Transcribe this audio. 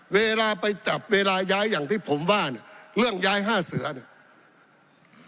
เวลาไปจับเวลาย้ายอย่างที่ผมว่าเนี่ยเรื่องย้ายห้าเสือเนี่ย